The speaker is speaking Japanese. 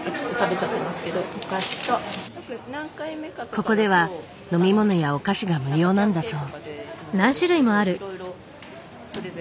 ここでは飲み物やお菓子が無料なんだそう。